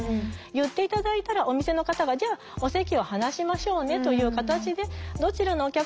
言って頂いたらお店の方がじゃあお席を離しましょうねという形でどちらのお客様も安心して利用できる。